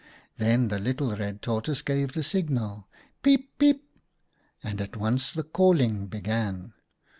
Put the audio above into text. Then the little Red Tortoise gave the signal, ' Peep! Peep !' and at once the calling began.